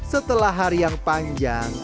setelah hari yang panjang